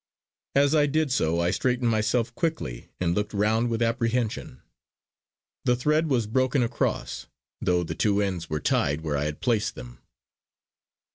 As I did so I straightened myself quickly and looked round with apprehension. The thread was broken across, though the two ends were tied where I had placed them!